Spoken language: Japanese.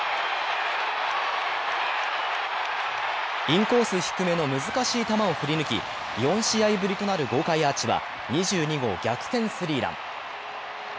インコース低めの難しい球を振り抜き、４試合ぶりとなる豪快アーチは、２２号逆転スリーラン。